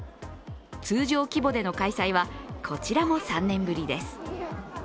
通常規模での開催は、こちらも３年ぶりです。